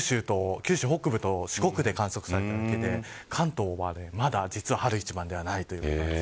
九州北部と四国で観測されただけで関東は、まだ実は春一番ではないんです。